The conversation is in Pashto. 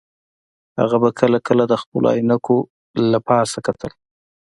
هغه به کله کله د خپلو عینکې د پاسه کتل